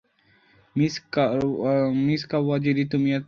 Miss Kawajiri, তুমি এত জঘন্য!